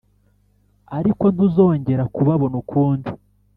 ariko ntuzongera kubabona ukundi,